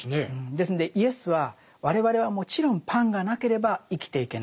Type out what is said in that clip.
ですんでイエスは我々はもちろんパンがなければ生きていけない。